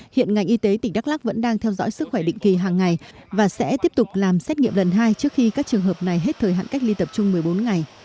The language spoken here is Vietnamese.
hiện ngành y tế tỉnh đắk lắc vẫn đang theo dõi sức khỏe định kỳ hàng ngày và sẽ tiếp tục làm xét nghiệm lần hai trước khi các trường hợp này hết thời hạn cách ly tập trung một mươi bốn ngày